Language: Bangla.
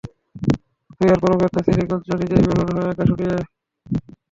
তুই এরপরেও ব্যর্থ হলে গুঞ্জু, নিজেই বেলুন হয়ে আকাশে উড়িস।